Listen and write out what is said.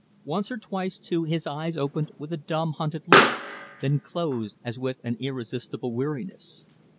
Once or twice, too, his eyes opened with a dumb hunted look, then closed as with an irresistible weariness.